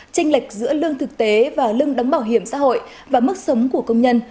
tranh lệch giữa lương thực tế và lương đóng bảo hiểm xã hội và mức sống của công nhân